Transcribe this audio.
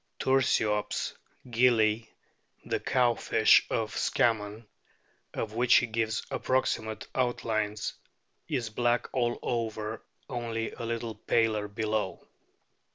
DOLPHINS 277 Tursiops gillii, the " Cowfish " of Scammon, of which he gives "approximate outlines," is black all over, only a little paler below.